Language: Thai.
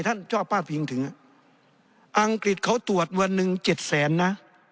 ท่านชอบพาดพิงถึงอังกฤษเขาตรวจวันหนึ่งเจ็ดแสนนะ